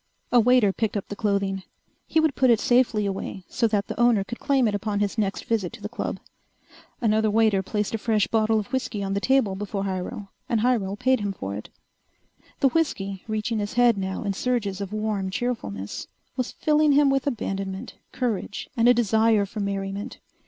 A waiter picked up the clothing. He would put it safely away so that the owner could claim it upon his next visit to the club. Another waiter placed a fresh bottle of whiskey on the table before Hyrel, and Hyrel paid him for it. The whiskey, reaching his head now in surges of warm cheerfulness, was filling him with abandonment, courage, and a desire for merriment.